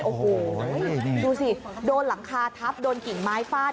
โอ้โหดูสิโดนหลังคาทับโดนกิ่งไม้ฟาด